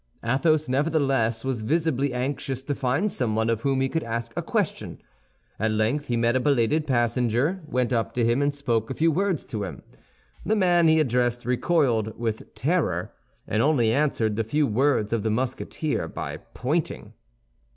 Athos nevertheless was visibly anxious to find someone of whom he could ask a question. At length he met a belated passenger, went up to him, and spoke a few words to him. The man he addressed recoiled with terror, and only answered the few words of the Musketeer by pointing.